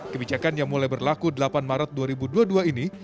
kebijakan yang mulai berlaku delapan maret dua ribu dua puluh dua ini